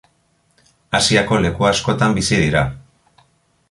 Asiako leku askotan bizi dira.